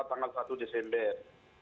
tanggal satu desember